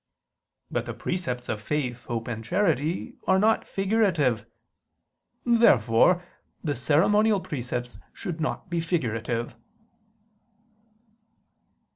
But the precepts of faith, hope, and charity are not figurative. Therefore the ceremonial precepts should not be figurative.